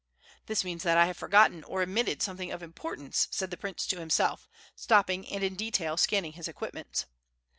"This means that I have forgotten or omitted something of importance," said the prince to himself, stopping and in detail scanning his equipments.